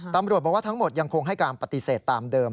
ตำรวจบอกว่าทั้งหมดยังคงให้การปฏิเสธตามเดิม